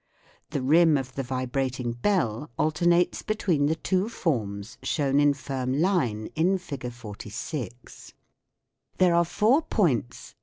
The rim of the vibrating bell alternates between the two forms shown in firm line in Fig. 46. There are four, points